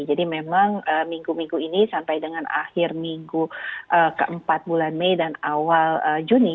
jadi memang minggu minggu ini sampai dengan akhir minggu keempat bulan mei dan awal juni